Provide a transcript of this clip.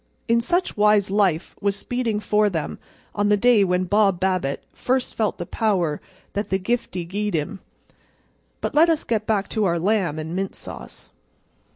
In such wise life was speeding for them on the day when Bob Babbitt first felt the power that the giftie gi'ed him. But let us get back to our lamb and mint sauce.